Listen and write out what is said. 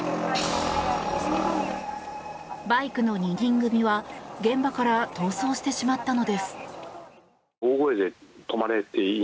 バイクの２人組は、現場から逃走してしまったのです。